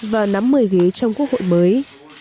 và nắm mời ghế trong quốc hội mới